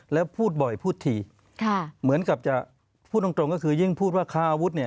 แล้วพูดบ่อยพูดทีค่ะเหมือนกับจะพูดตรงก็คือยิ่งพูดว่าค้าอาวุธเนี่ย